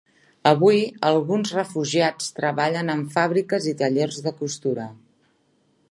Avui, alguns refugiats treballen en fàbriques i tallers de costura.